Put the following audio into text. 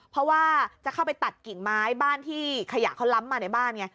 เพราะว่าจะเข้าไปตัดกิ่งไม้บ้านที่ขยะเขาล้ำมาในบ้านไง